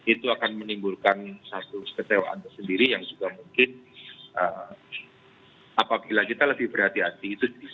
itu akan menimbulkan satu kesewaan tersendiri yang juga mungkin apabila kita lebih berhati hati